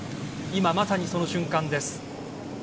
今、まさにその瞬間です。